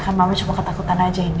kan malu cuma ketakutan aja ini